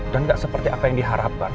dan enggak seperti apa yang diharapkan